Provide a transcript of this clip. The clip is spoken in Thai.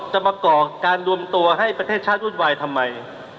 มาก่อการรวมตัวให้ประเทศชาติวุ่นวายทำไม